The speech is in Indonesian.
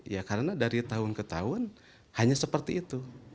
ya karena dari tahun ke tahun hanya seperti itu